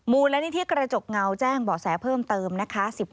มูลนิธิกระจกเงาแจ้งเบาะแสเพิ่มเติมนะคะ